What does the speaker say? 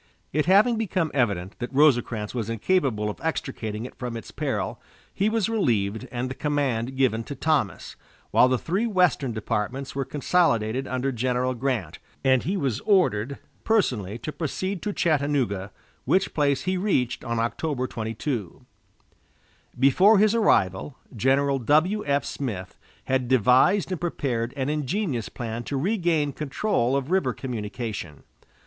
It having become evident that Rosecrans was incapable of extricating it from its peril, he was relieved and the command given to Thomas, while the three western departments were consolidated under General Grant, and he was ordered personally to proceed to Chattanooga, which place he reached on October 22. Before his arrival, General W.F. Smith had devised and prepared an ingenious plan to regain control of river communication.